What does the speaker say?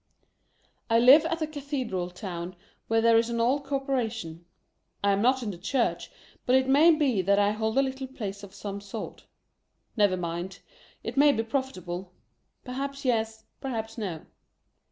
I live at a cathedral town where there is an old corpora tion. I am not in the Church, but it may be that I hold a little place of some sort. Never mind. It may be profit able. Perhaps yes, perhaps no.